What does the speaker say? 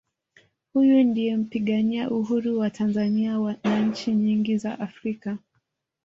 huyu ndiye mpigania Uhuru wa tanzania na nchi nyingi za africa